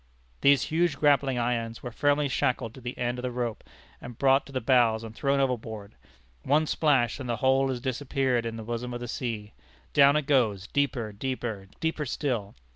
These huge grappling irons were firmly shackled to the end of the rope, and brought to the bows and thrown overboard. One splash, and the whole has disappeared in the bosom of the ocean. Down it goes deeper, deeper, deeper still!